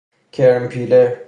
کرم پیله